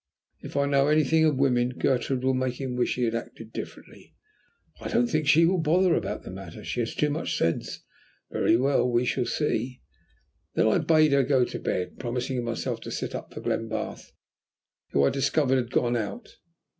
If I know anything of women, Gertrude will make him wish he had acted differently." "I don't think she will bother about the matter. She has too much sense." "Very well; we shall see." I then bade her go to bed, promising myself to sit up for Glenbarth, who, I discovered, had gone out.